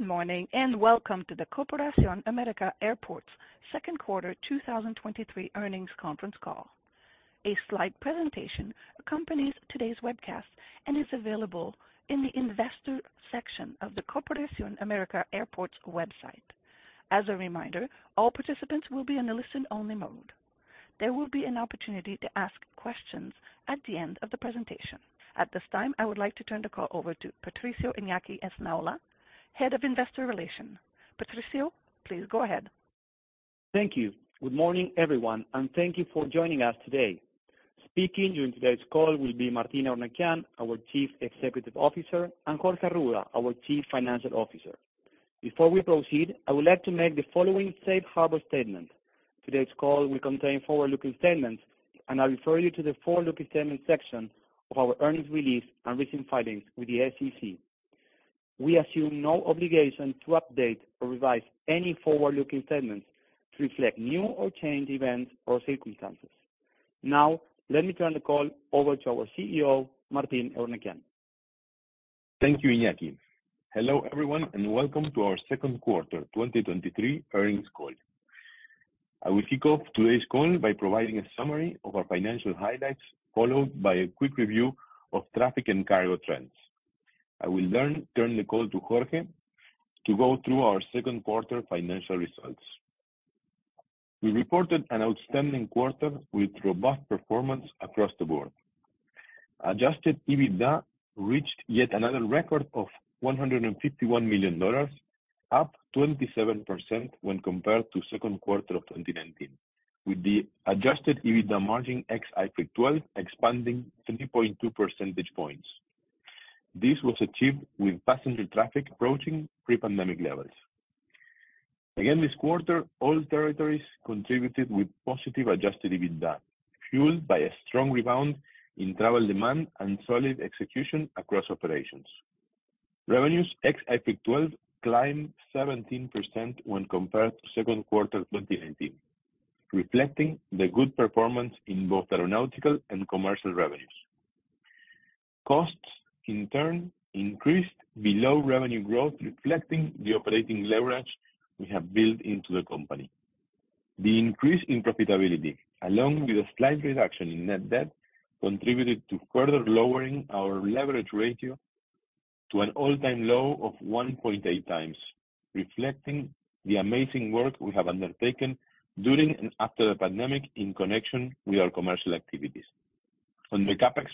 Good morning, and welcome to the Corporación América Airports Second Quarter 2023 Earnings Conference Call. A slide presentation accompanies today's webcast and is available in the investor section of the Corporación América Airports website. As a reminder, all participants will be in a listen-only mode. There will be an opportunity to ask questions at the end of the presentation. At this time, I would like to turn the call over to Patricio Iñaki Esnaola, Head of Investor Relations. Patricio, please go ahead. Thank you. Good morning, everyone, and thank you for joining us today. Speaking during today's call will be Martín Eurnekian, our Chief Executive Officer, and Jorge Arruda, our Chief Financial Officer. Before we proceed, I would like to make the following safe harbor statement: Today's call will contain forward-looking statements, and I refer you to the forward-looking statements section of our earnings release and recent filings with the SEC. We assume no obligation to update or revise any forward-looking statements to reflect new or changed events or circumstances. Now, let me turn the call over to our CEO, Martín Eurnekian. Thank you, Iñaki. Hello, everyone, and welcome to our second quarter 2023 earnings call. I will kick off today's call by providing a summary of our financial highlights, followed by a quick review of traffic and cargo trends. I will then turn the call to Jorge to go through our second quarter financial results. We reported an outstanding quarter with robust performance across the board. Adjusted EBITDA reached yet another record of $151 million, up 27% when compared to second quarter of 2019, with the adjusted EBITDA margin ex-IFRIC 12, expanding 3.2 percentage points. This was achieved with passenger traffic approaching pre-pandemic levels. Again, this quarter, all territories contributed with positive adjusted EBITDA, fueled by a strong rebound in travel demand and solid execution across operations. Revenues ex-IFRIC 12 climbed 17% when compared to second quarter 2019, reflecting the good performance in both aeronautical and commercial revenues. Costs, in turn, increased below revenue growth, reflecting the operating leverage we have built into the company. The increase in profitability, along with a slight reduction in net debt, contributed to further lowering our leverage ratio to an all-time low of 1.8 times, reflecting the amazing work we have undertaken during and after the pandemic in connection with our commercial activities. On the CapEx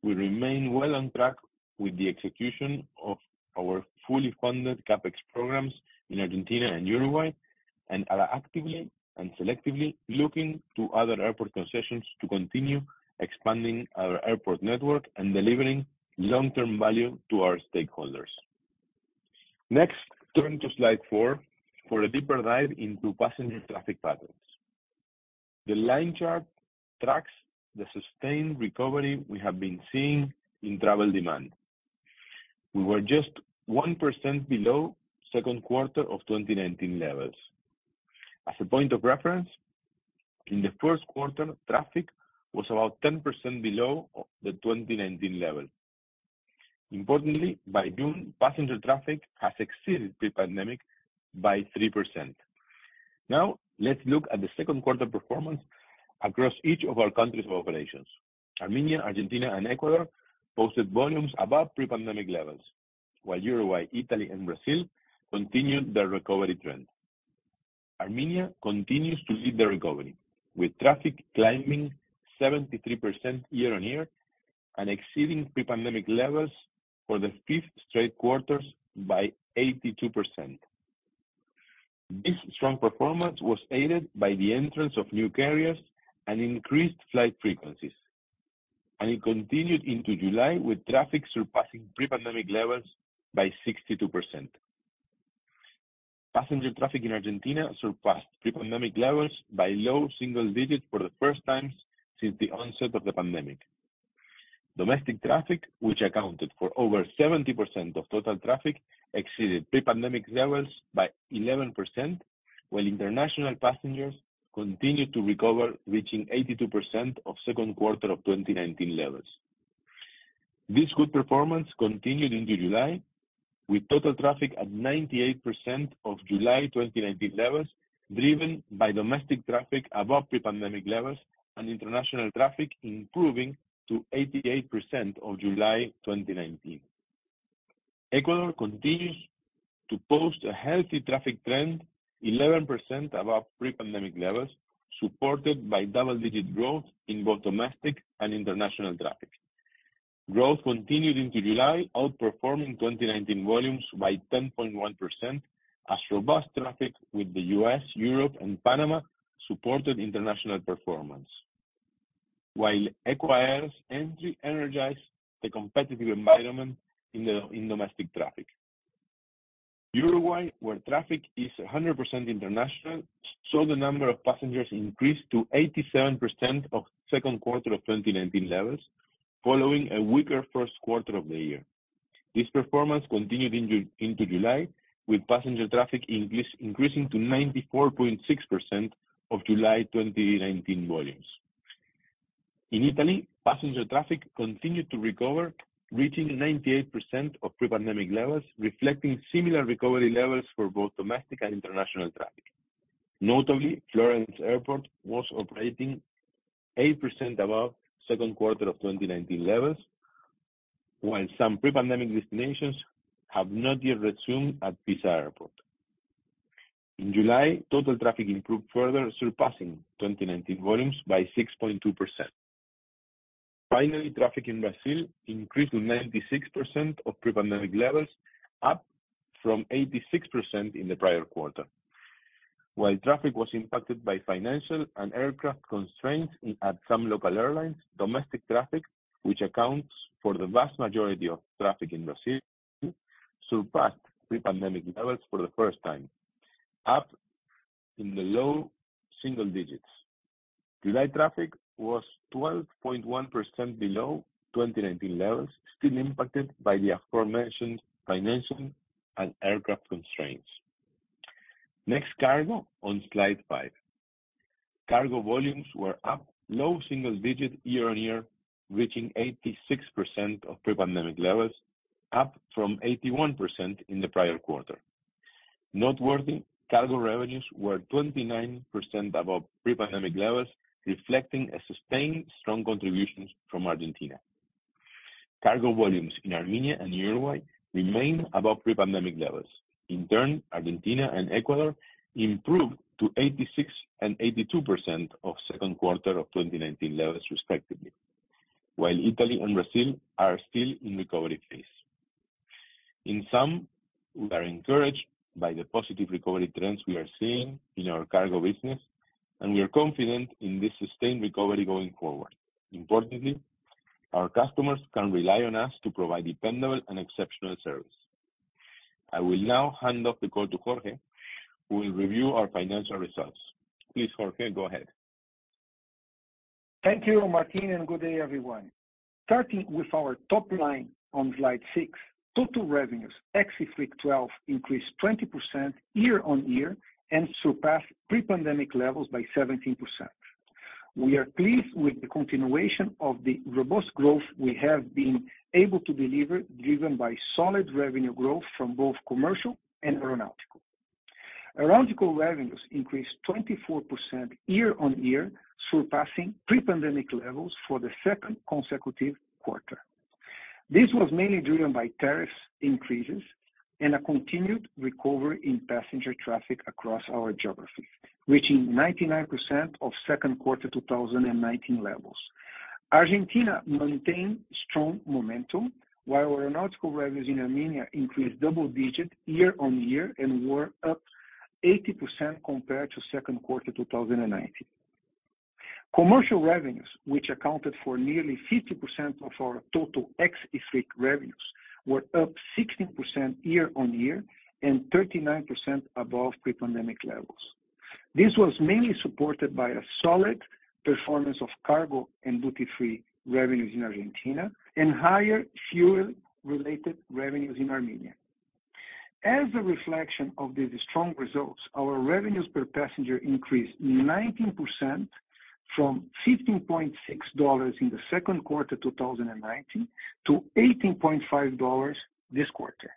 front, we remain well on track with the execution of our fully funded CapEx programs in Argentina and Uruguay, and are actively and selectively looking to other airport concessions to continue expanding our airport network and delivering long-term value to our stakeholders. Next turning to slide four, for a deeper dive into passenger traffic patterns. The line chart tracks the sustained recovery we have been seeing in travel demand. We were just 1% below second quarter of 2019 levels. As a point of reference, in the first quarter, traffic was about 10% below the 2019 level. Importantly, by June, passenger traffic has exceeded pre-pandemic by 3%. Now, let's look at the second quarter performance across each of our countries of operations. Armenia, Argentina, and Ecuador posted volumes above pre-pandemic levels, while Uruguay, Italy, and Brazil continued their recovery trend. Armenia continues to lead the recovery, with traffic climbing 73% year-on-year and exceeding pre-pandemic levels for the fifth straight quarters by 82%. This strong performance was aided by the entrance of new carriers and increased flight frequencies, and it continued into July, with traffic surpassing pre-pandemic levels by 62%. Passenger traffic in Argentina surpassed pre-pandemic levels by low single digits for the first time since the onset of the pandemic. Domestic traffic, which accounted for over 70% of total traffic, exceeded pre-pandemic levels by 11%, while international passengers continued to recover, reaching 82% of second quarter of 2019 levels. This good performance continued into July, with total traffic at 98% of July 2019 levels, driven by domestic traffic above pre-pandemic levels and international traffic improving to 88% of July 2019. Ecuador continues to post a healthy traffic trend, 11% above pre-pandemic levels, supported by double-digit growth in both domestic and international traffic. Growth continued into July, outperforming 2019 volumes by 10.1%, as robust traffic with the U.S., Europe, and Panama supported international performance, while Equair's entry energized the competitive environment in domestic traffic. Uruguay, where traffic is 100% international, saw the number of passengers increase to 87% of second quarter of 2019 levels, following a weaker first quarter of the year. This performance continued into July, with passenger traffic increase, increasing to 94.6% of July 2019 volumes. In Italy, passenger traffic continued to recover, reaching 98% of pre-pandemic levels, reflecting similar recovery levels for both domestic and international traffic. Notably, Florence Airport was operating 8% above second quarter of 2019 levels, while some pre-pandemic destinations have not yet resumed at Pisa Airport. In July, total traffic improved further, surpassing 2019 volumes by 6.2%. Traffic in Brazil increased to 96% of pre-pandemic levels, up from 86% in the prior quarter. While traffic was impacted by financial and aircraft constraints at some local airlines, domestic traffic, which accounts for the vast majority of traffic in Brazil, surpassed pre-pandemic levels for the first time, up in the low single digits. July traffic was 12.1% below 2019 levels, still impacted by the aforementioned financial and aircraft constraints. Cargo on slide five. Cargo volumes were up low single digits year-on-year, reaching 86% of pre-pandemic levels, up from 81% in the prior quarter. Noteworthy, cargo revenues were 29% above pre-pandemic levels, reflecting a sustained strong contributions from Argentina. Cargo volumes in Armenia and Uruguay remain above pre-pandemic levels. In turn, Argentina and Ecuador improved to 86 and 82% of second quarter of 2019 levels, respectively, while Italy and Brazil are still in recovery phase. In sum, we are encouraged by the positive recovery trends we are seeing in our cargo business, and we are confident in this sustained recovery going forward. Importantly, our customers can rely on us to provide dependable and exceptional service. I will now hand off the call to Jorge, who will review our financial results. Please, Jorge, go ahead. Thank you, Martín, and good day, everyone. Starting with our top line on slide six, total revenues, ex-IFRIC 12, increased 20% year-on-year and surpassed pre-pandemic levels by 17%. We are pleased with the continuation of the robust growth we have been able to deliver, driven by solid revenue growth from both commercial and aeronautical. Aeronautical revenues increased 24% year-on-year, surpassing pre-pandemic levels for the second consecutive quarter. This was mainly driven by tariff increases and a continued recovery in passenger traffic across our geographies, reaching 99% of second quarter 2019 levels. Argentina maintained strong momentum, while aeronautical revenues in Armenia increased double digits year-on-year and were up 80% compared to second quarter 2019. Commercial revenues, which accounted for nearly 50% of our total ex-IFRIC revenues, were up 16% year-on-year and 39% above pre-pandemic levels. This was mainly supported by a solid performance of cargo and duty-free revenues in Argentina and higher fuel-related revenues in Armenia. As a reflection of these strong results, our revenues per passenger increased 19% from $15.6 in the second quarter 2019 to $18.5 this quarter.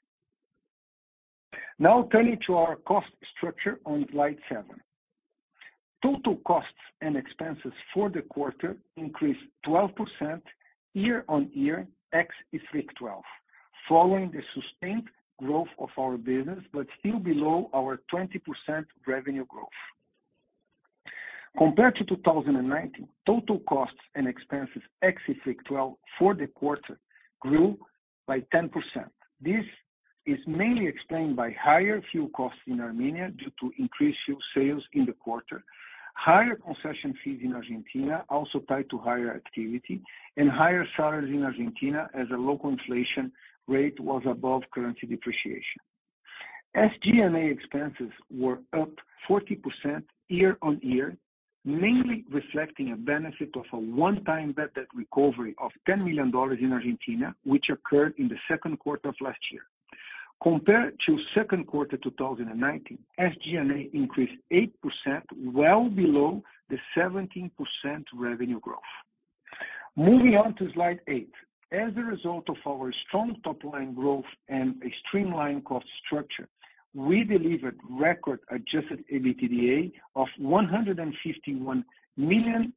Now, turning to our cost structure on slide seven. Total costs and expenses for the quarter increased 12% year-on-year, ex-IFRIC 12, following the sustained growth of our business, but still below our 20% revenue growth. Compared to 2019, total costs and expenses, ex-IFRIC 12, for the quarter grew by 10%. This is mainly explained by higher fuel costs in Armenia due to increased fuel sales in the quarter, higher concession fees in Argentina, also tied to higher activity, and higher salaries in Argentina, as the local inflation rate was above currency depreciation. SG&A expenses were up 40% year-on-year, mainly reflecting a benefit of a one-time bad debt recovery of $10 million in Argentina, which occurred in the second quarter of last year. Compared to second quarter 2019, SG&A increased 8%, well below the 17% revenue growth. Moving on to slide eight 8. As a result of our strong top-line growth and a streamlined cost structure, we delivered record adjusted EBITDA of $151 million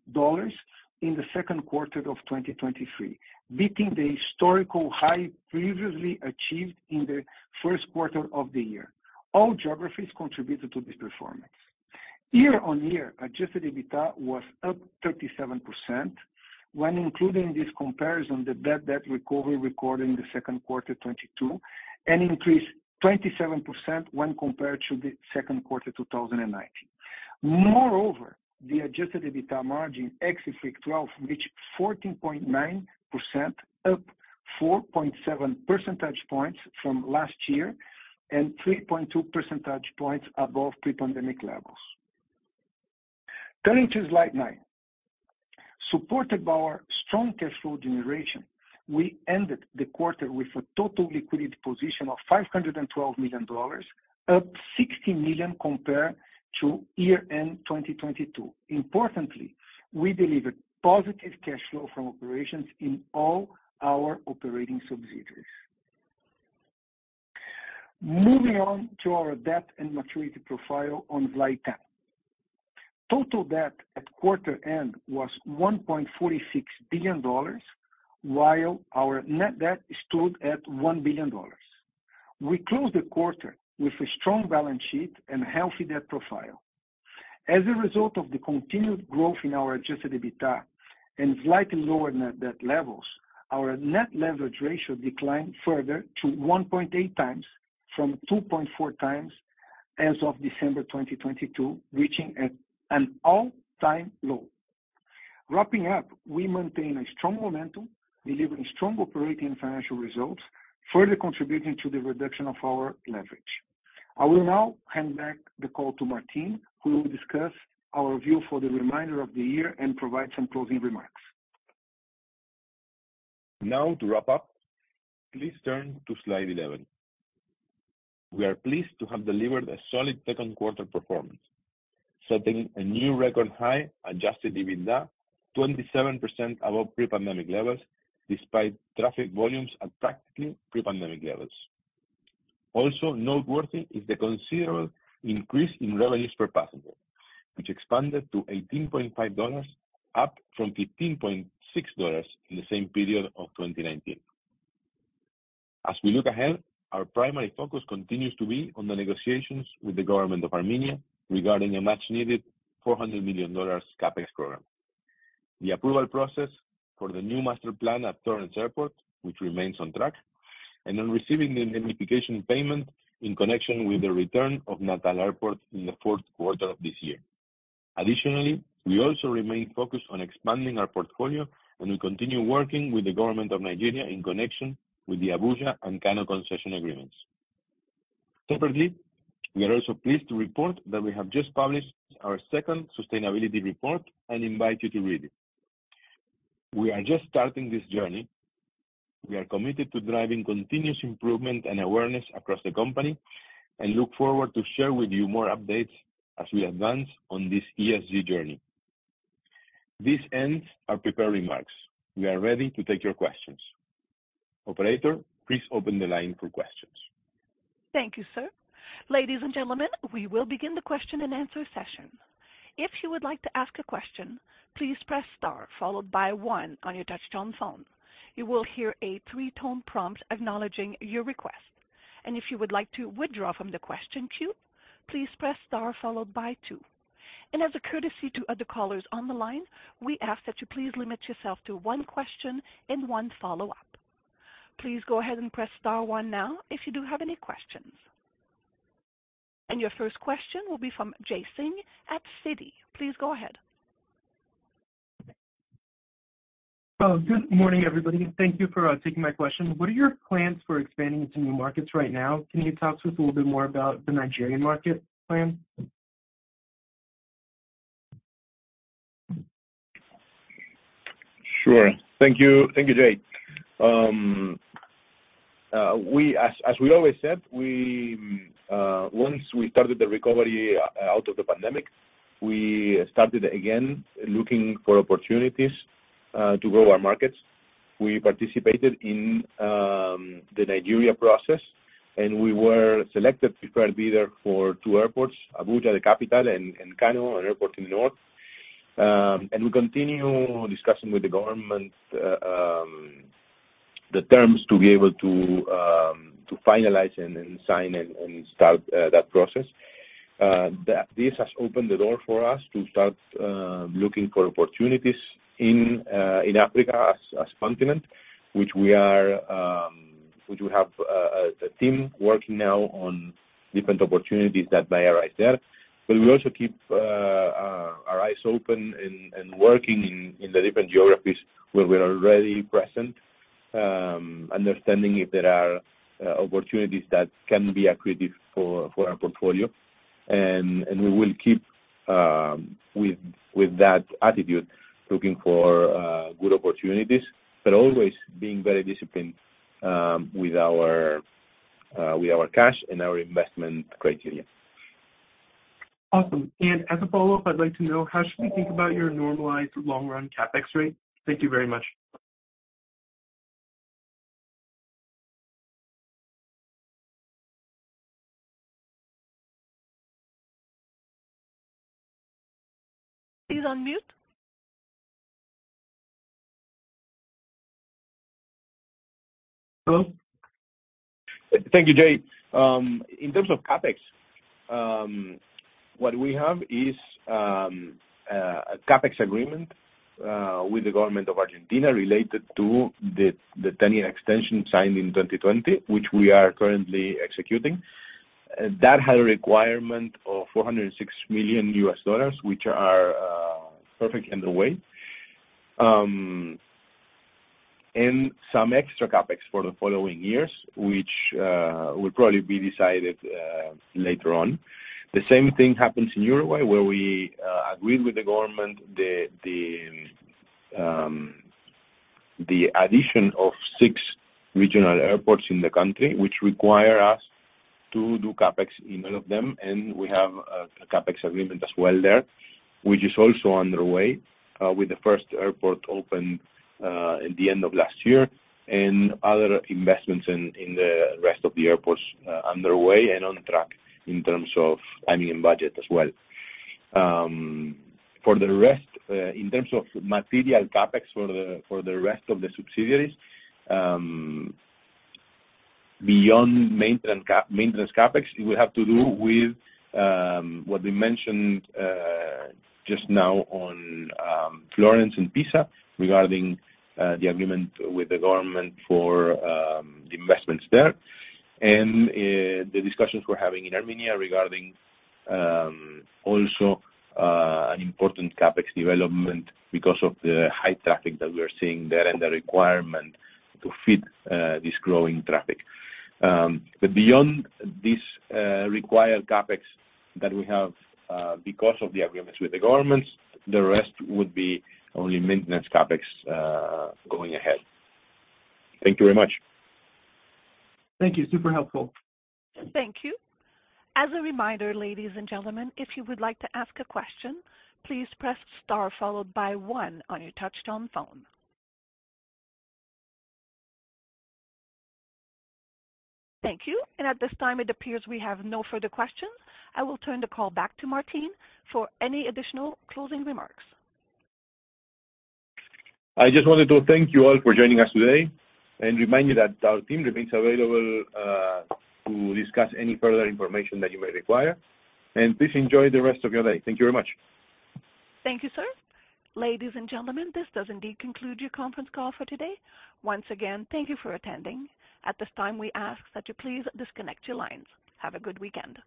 in the second quarter of 2023, beating the historical high previously achieved in the first quarter of the year. All geographies contributed to this performance. Year-on-year, adjusted EBITDA was up 37% when including this comparison, the bad debt recovery recorded in the second quarter 2022, and increased 27% when compared to the 2Q 2019. The adjusted EBITDA margin, ex-IFRIC 12, reached 14.9%, up 4.7 percentage points from last year and 3.2 percentage points above pre-pandemic levels. Turning to slide 9. Supported by our strong cash flow generation, we ended the quarter with a total liquidity position of $512 million, up $60 million compared to year-end 2022. Importantly, we delivered positive cash flow from operations in all our operating subsidiaries. Moving on to our debt and maturity profile on slide 10. Total debt at quarter end was $1.46 billion, while our net debt stood at $1 billion. We closed the quarter with a strong balance sheet and healthy debt profile. As a result of the continued growth in our adjusted EBITDA and slightly lower net debt levels, our net leverage ratio declined further to 1.8 times from 2.4 times as of December 2022, reaching at an all-time low. Wrapping up, we maintain a strong momentum, delivering strong operating and financial results, further contributing to the reduction of our leverage. I will now hand back the call to Martin, who will discuss our view for the remainder of the year and provide some closing remarks. To wrap up, please turn to slide 11. We are pleased to have delivered a solid second quarter performance, setting a new record high adjusted EBITDA, 27% above pre-pandemic levels, despite traffic volumes at practically pre-pandemic levels. Also noteworthy is the considerable increase in revenues per passenger, which expanded to $18.5, up from $15.6 in the same period of 2019. As we look ahead, our primary focus continues to be on the negotiations with the government of Armenia regarding a much-needed $400 million CapEx program, the approval process for the new master plan at Florence Airport, which remains on track, and on receiving the indemnification payment in connection with the return of Natal Airport in the 4th quarter of this year. Additionally, we also remain focused on expanding our portfolio, and we continue working with the government of Nigeria in connection with the Abuja and Kano concession agreements. Separately, we are also pleased to report that we have just published our second sustainability report and invite you to read it. We are just starting this journey. We are committed to driving continuous improvement and awareness across the company, and look forward to share with you more updates as we advance on this ESG journey. This ends our prepared remarks. We are ready to take your questions. Operator, please open the line for questions. Thank you, sir. Ladies and gentlemen, we will begin the question-and-answer session. If you would like to ask a question, please press star followed by one on your touchtone phone. You will hear a three-tone prompt acknowledging your request, and if you would like to withdraw from the question queue, please press star followed by two. As a courtesy to other callers on the line, we ask that you please limit yourself to one question and one follow-up. Please go ahead and press star one now if you do have any questions. Your first question will be from Jay Singh at Citi. Please go ahead. Good morning, everybody. Thank you for taking my question. What are your plans for expanding into new markets right now? Can you talk to us a little bit more about the Nigerian market plan? Sure. Thank you. Thank you, Jay. As, as we always said, we, once we started the recovery out of the pandemic, we started again looking for opportunities to grow our markets. We participated in the Nigeria process, and we were selected preferred bidder for two airports, Abuja, the capital, and Kano, an airport in the north. We continue discussing with the government the terms to be able to finalize and sign and start that process. This has opened the door for us to start looking for opportunities in Africa as, as continent, which we are, which we have a team working now on different opportunities that may arise there. We also keep our eyes open and working in the different geographies where we're already present, understanding if there are opportunities that can be accretive for our portfolio. We will keep with that attitude, looking for good opportunities, but always being very disciplined with our cash and our investment criteria. Awesome. As a follow-up, I'd like to know, how should we think about your normalized long-run CapEx rate? Thank you very much. Please unmute. Hello. Thank you, Jay. In terms of CapEx, what we have is a CapEx agreement with the government of Argentina related to the 10-year extension signed in 2020, which we are currently executing. That had a requirement of $406 million, which are perfect on the way. Some extra CapEx for the following years, which will probably be decided later on. The same thing happens in Uruguay, where we agreed with the government, the addition of six regional airports in the country, which require us to do CapEx in all of them, and we have a CapEx agreement as well there, which is also underway, with the first airport open at the end of last year, and other investments in the rest of the airports, underway and on track in terms of timing and budget as well. For the rest, in terms of material CapEx for the rest of the subsidiaries, beyond maintenance CapEx, it will have to do with what we mentioned just now on Florence and Pisa, regarding the agreement with the government for the investments there. The discussions we're having in Armenia regarding also an important CapEx development because of the high traffic that we are seeing there and the requirement to fit this growing traffic. But beyond this required CapEx that we have because of the agreements with the governments, the rest would be only maintenance CapEx going ahead. Thank you very much. Thank you. Super helpful. Thank you. As a reminder, ladies and gentlemen, if you would like to ask a question, please press star followed by one on your touchtone phone. Thank you. At this time, it appears we have no further questions. I will turn the call back to Martin for any additional closing remarks. I just wanted to thank you all for joining us today and remind you that our team remains available to discuss any further information that you may require. Please enjoy the rest of your day. Thank you very much. Thank you, sir. Ladies and gentlemen, this does indeed conclude your conference call for today. Once again, thank you for attending. At this time, we ask that you please disconnect your lines. Have a good weekend.